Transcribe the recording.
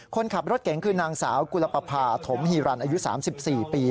คนขับรถเก๋งคือนางสาวกุลปภาถมฮีรันอายุ๓๔ปี